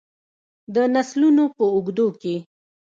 د نسلونو په اوږدو کې.